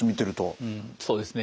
うんそうですね。